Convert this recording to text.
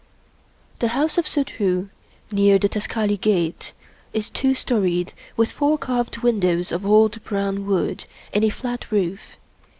The house of Suddhoo, near the Taksali Gate, is two storied, with four carved windows of old brown wood, and a flat roof.